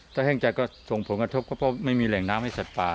ถ้าแห้งจากก็ส่งผลกระทบก็ไม่มีแหลงน้ำให้สัตว์ปลา